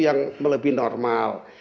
yang lebih normal